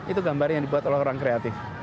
itu gambar yang dibuat oleh orang kreatif